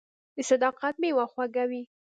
• د صداقت میوه خوږه وي.